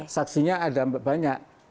saksinya ada banyak